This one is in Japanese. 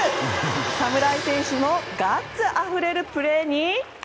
侍選手のガッツあふれるプレーに。